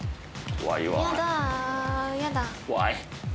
怖い。